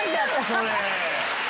それ！